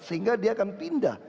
sehingga dia akan pindah